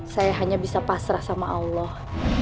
saya hanya bisa pasrah sama allah